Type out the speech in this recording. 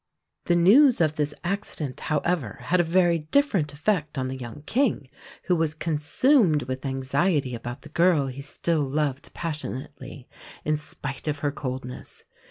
The news of this accident, however, had a very different effect on the young King, who was consumed with anxiety about the girl he still loved passionately, in spite of her coldness.